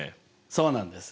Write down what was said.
そうなんです。